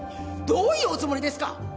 どういうおつもりですか！